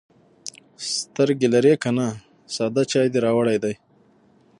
_سترګې لرې که نه، ساده چای دې راوړی دی.